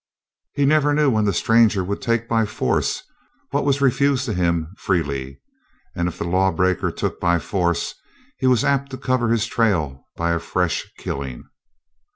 He never knew when the stranger would take by force what was refused to him freely, and, if the lawbreaker took by force, he was apt to cover his trail by a fresh killing.